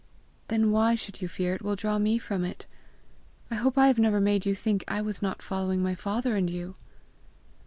"Then why should you fear it will draw me from it? I hope I have never made you think I was not following my father and you!"